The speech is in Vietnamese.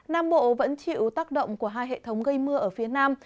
nam bộ vẫn chịu tác động của hai hệ thống gây mưa ở phía nam